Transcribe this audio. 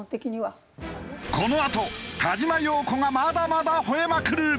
このあと田嶋陽子がまだまだほえまくる！